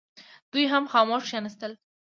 دوی هم خاموش کښېنستل.